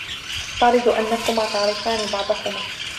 أفترض أنكما تعرفان بعضكما.